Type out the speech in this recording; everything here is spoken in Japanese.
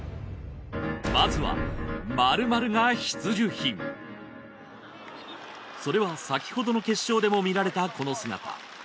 まずはそれは先ほどの決勝でも見られたこの姿。